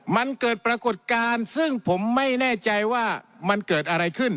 มันเกิดปรากฏการณ์ซึ่งผมไม่แน่ใจว่ามันเกิดอะไรขึ้น